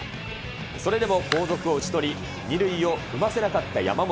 それでも後続を打ち取り、２塁を踏ませなかった山本。